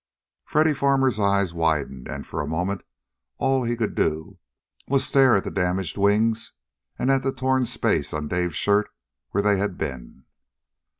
Freddy Farmer's eyes widened, and for a moment all he could do was stare at the damaged wings and then at the torn space on Dave's shirt where they had been.